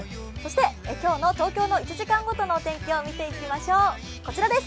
今日の東京の１時間ごとの天気を見ていきましょう。